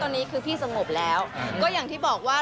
ตอนนี้คือพี่สงบแล้วก็อย่างที่บอกว่า